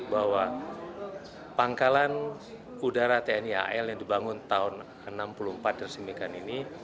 bahwa pangkalan udara tni al yang dibangun tahun seribu sembilan ratus enam puluh empat dan dua ribu sembilan ini